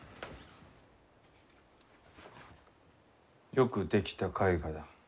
よく出来た絵画だ。